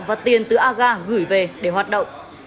và tiền từ aga gửi về để hoạt động